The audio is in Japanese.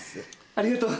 ありがとう。